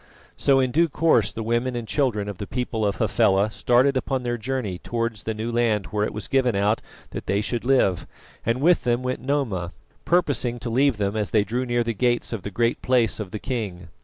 So in due course the women and children of the people of Hafela started upon their journey towards the new land where it was given out that they should live, and with them went Noma, purposing to leave them as they drew near the gates of the Great Place of the king.